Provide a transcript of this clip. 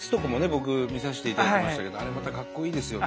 僕見させていただきましたけどあれまたかっこいいですよね。